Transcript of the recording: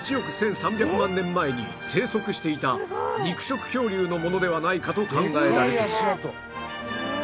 １億１３００万年前に生息していた肉食恐竜のものではないかと考えられている